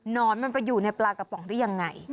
นอนมันไปอยู่ในปลากระป๋องได้ยังไง